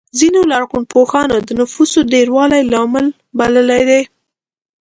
ځینو لرغونپوهانو د نفوسو ډېروالی لامل بللی دی.